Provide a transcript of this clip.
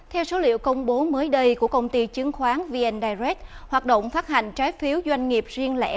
theo số liệu công bố mới đây của công ty chứng khoán vn direct hoạt động phát hành trái phiếu doanh nghiệp riêng lẻ